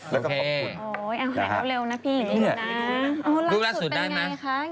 แล้วก็ขอบคุณนะฮะนะฮะโอเค